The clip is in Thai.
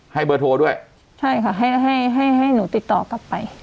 ให้เบอร์โทรด้วยใช่ค่ะให้ให้ให้หนูติดต่อกลับไป